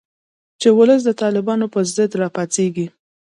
چې ولس د طالبانو په ضد راپاڅیږي